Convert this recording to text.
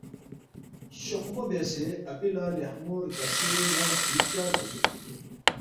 شوخمو بیاسے اپی لہ لیخمو رگاشے ننگ چی فچوا رگوسُوک